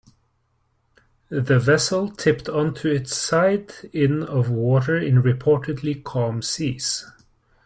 The vessel tipped onto its side in of water in reportedly calm seas.